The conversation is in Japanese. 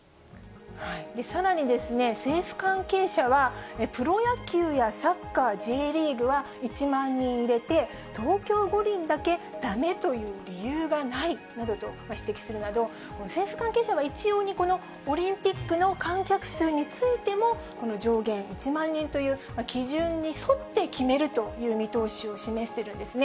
さらに政府関係者は、プロ野球やサッカーＪリーグは、１万人入れて、東京五輪だけだめという理由がないなどと指摘するなど、政府関係者は一様にこのオリンピックの観客数についても、この上限１万人という基準に沿って決めるという見通しを示してるんですね。